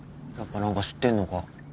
やっぱ何か知ってんのか？